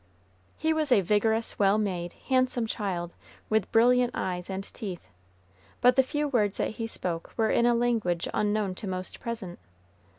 He was a vigorous, well made, handsome child, with brilliant eyes and teeth, but the few words that he spoke were in a language unknown to most present.